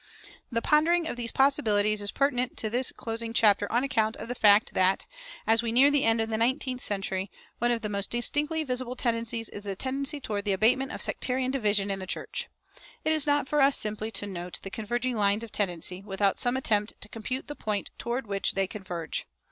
[415:1] The pondering of these possibilities is pertinent to this closing chapter on account of the fact that, as we near the end of the nineteenth century, one of the most distinctly visible tendencies is the tendency toward the abatement of sectarian division in the church. It is not for us simply to note the converging lines of tendency, without some attempt to compute the point toward which they converge.